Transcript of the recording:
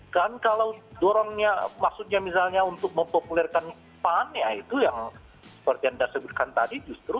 kan kalau dorongnya maksudnya misalnya untuk mempopulerkan pan ya itu yang seperti anda sebutkan tadi justru